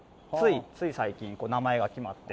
つい最近名前が決まって。